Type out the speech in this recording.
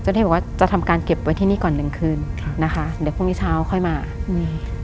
ที่บอกว่าจะทำการเก็บไว้ที่นี่ก่อนหนึ่งคืนครับนะคะเดี๋ยวพรุ่งนี้เช้าค่อยมาอืม